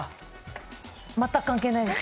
全く関係ないです。